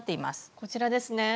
こちらですね。